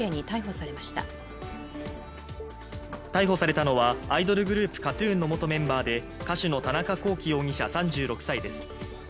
逮捕されたのはアイドルグループＫＡＴ−ＴＵＮの元メンバーで歌手の田中聖容疑者３６歳です。